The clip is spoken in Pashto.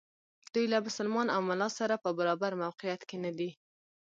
دوی له مسلمان او ملا سره په برابر موقعیت کې ندي.